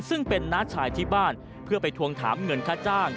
ซึ่งเป็นน้าชายที่บ้านเพื่อไปทวงถามเงินค่าจ้าง